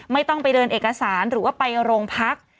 ไม่ต้องไปเดินเอกสารหรือว่าไปโรงพัก